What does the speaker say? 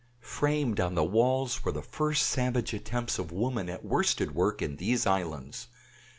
Framed on the walls were the first savage attempts of woman at worsted work in these islands.